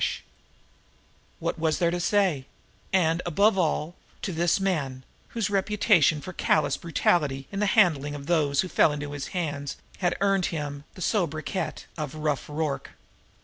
What was there to say and, above all, to this man, whose reputation for callous brutality in the handling of those who fell into his hands had earned him the sobriquet of "Rough" Rorke?